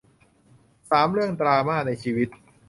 สาม เรื่องดราม่าในชีวิต